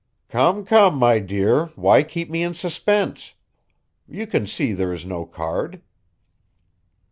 "Come, come, my dear, why keep me in suspense? You can see there is no card.